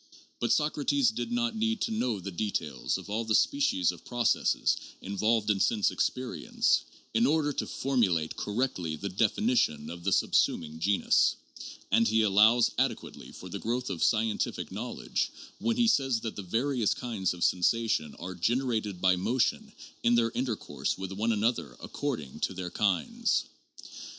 But Socrates did not need to know the details of all the species of processes involved in sense experience, in order to formu late correctly the definition of the subsuming genus; and he allows adequately for the growth of scientific knowledge when he says that the various kinds of sensations are "generated by motion in their intercourse with one another according to their kinds."